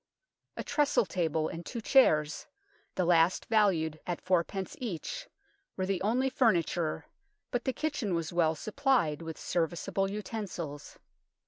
A tressle table and two chairs, the last valued at fourpence each, were the only furniture, but the kitchen was well supplied with serviceable utensils.